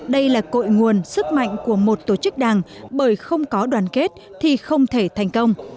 đây là cội nguồn sức mạnh của một tổ chức đảng bởi không có đoàn kết thì không thể thành công